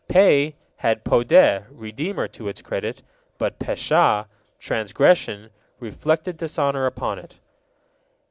Pe had Podeh, redeemer, to its credit, but Pesha: transgression, reflected dishonor upon it.